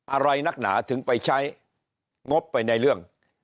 อะไรนักหนาถึงไปใช้งบไปในเรื่อง